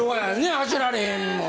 走られへんもん